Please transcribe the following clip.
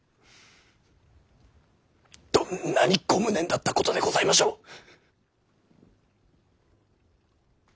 どんなにご無念だったことでございましょう。